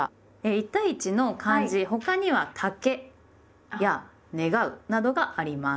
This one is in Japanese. １対１の漢字他には「竹」や「『願』う」などがあります。